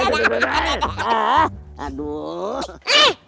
aduh aduh aduh